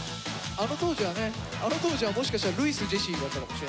あの当時はもしかしたらルイス・ジェシーだったかもしれないです。